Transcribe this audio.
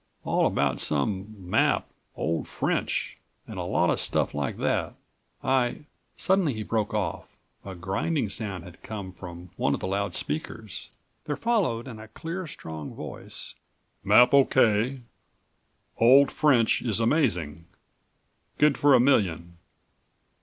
All about some 'map, old French,' and a lot of stuff like that. I—" Suddenly he broke off. A grinding sound had come from one of the loud speakers. There followed in a clear, strong voice: "Map O.K. Old French is amazing. Good for a million."